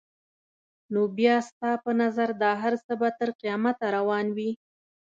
نو بیا ستا په نظر دا هر څه به تر قیامته روان وي؟